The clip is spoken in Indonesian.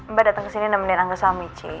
mbak dateng kesini nemenin angga salmici